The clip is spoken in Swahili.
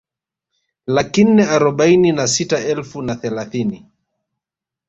Laki nne arobaini na sita elfu na thelathini